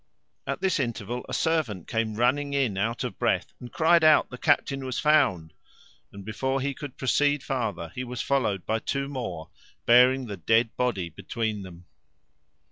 At this interval a servant came running in, out of breath, and cried out, The captain was found; and, before he could proceed farther, he was followed by two more, bearing the dead body between them.